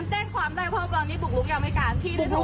เจ้งความได้เพราะว่าปกติบุลลุกได้อเมริกาอังกฤษได้เถาว่า